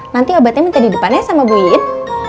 nanti obatnya minta di depannya sama bu yin